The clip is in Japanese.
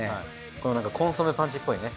このなんかコンソメパンチっぽいね。